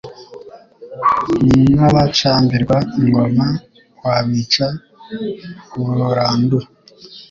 N'abacambirwa ingoma Wabica burandura.